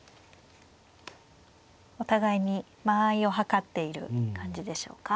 お互いに間合いを計っている感じでしょうか。